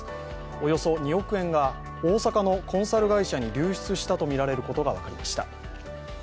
およそ２億円が大阪のコンサル会社に流出したとみられることが分かりました。